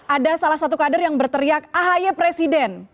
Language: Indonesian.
ada salah satu kader yang berteriak ahaye presiden